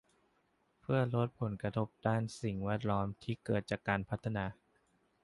เพื่อลดผลกระทบด้านสิ่งแวดล้อมที่เกิดจากการพัฒนา